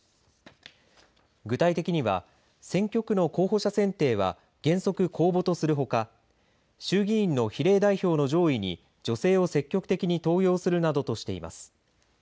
具体的には選挙区の候補者選定は原則公募とするほか衆議院の比例代表の上位に女性を積極的に登用するなどとしています。